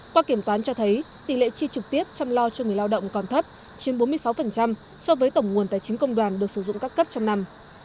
qua kiểm toán cho thấy tỷ lệ chi trực tiếp chăm lo cho người lao động còn thấp chiếm bốn mươi sáu so với tổng nguồn tài chính công đoàn được sử dụng các cấp trong năm